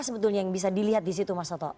apa sebetulnya yang bisa dilihat di situ mas toto